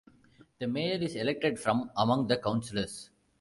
The mayor is elected from among the councillors.